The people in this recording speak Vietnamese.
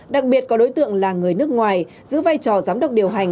đặc biệt có đối tượng là người nước ngoài giữ vai trò giám đốc điều hành